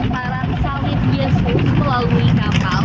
proses perarakan di jumat agung